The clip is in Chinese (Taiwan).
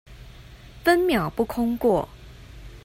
分秒不空過